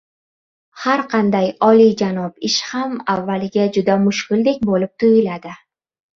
Har qanday olijanob ish ham avvaliga juda mushkuldek bo‘lib tuyuladi.